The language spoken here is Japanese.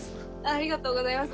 ありがとうございます。